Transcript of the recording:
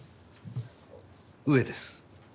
上です。